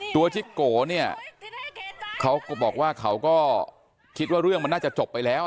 ชิโกเนี่ยเขาก็บอกว่าเขาก็คิดว่าเรื่องมันน่าจะจบไปแล้ว